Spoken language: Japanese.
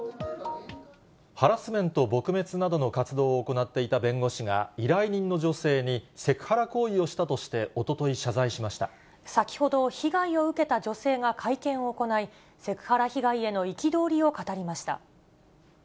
ハラスメント撲滅などの活動を行っていた弁護士が、依頼人の女性にセクハラ行為をしたとして、先ほど、被害を受けた女性が会見を行い、セクハラ被害への憤りを語りました。